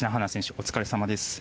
お疲れさまです。